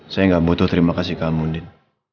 saya gak butuh terima kasih kamu din